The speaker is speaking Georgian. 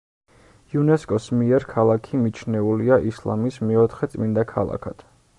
იუნესკოს მიერ ქალაქი მიჩნეულია ისლამის „მეოთხე წმინდა ქალაქად“.